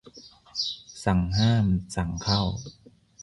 สั่งห้ามสั่งเข้า